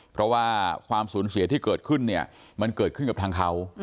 เพราะว่าความสูญเสียที่เกิดขึ้นเนี่ยมันเกิดขึ้นกับทางเขา